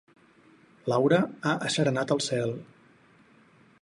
L'aura ha asserenat el cel.